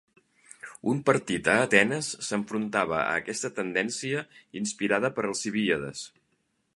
Un partit a Atenes s'enfrontava a aquesta tendència inspirada per Alcibíades.